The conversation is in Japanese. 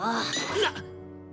なっ！